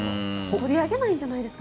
取り上げないんじゃないですか？